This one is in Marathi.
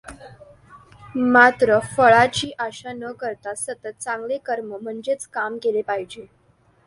मात्र फळाची आशा न करता सतत चांगले कर्म म्हणजेच काम केले पाहिजे.